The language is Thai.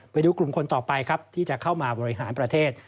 ไปดูกลุ่มคนต่อไปครับที่จะเข้ามาบริหารประเทศ